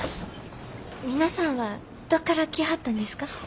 皆さんはどっから来はったんですか？